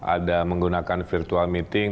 ada menggunakan virtual meeting